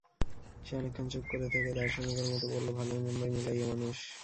সে অনেকক্ষণ চুপ করে থেকে দার্শনিকের মতো বলল, ভালোয়-মন্দয় মিলাইয়া মানুষ।